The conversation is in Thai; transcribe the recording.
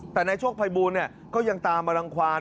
แต่ในโชคภัยบูลเนี่ยก็ยังตามรังความ